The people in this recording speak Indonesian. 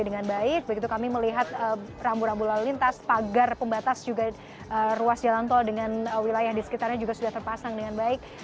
dengan baik begitu kami melihat rambu rambu lalu lintas pagar pembatas juga ruas jalan tol dengan wilayah di sekitarnya juga sudah terpasang dengan baik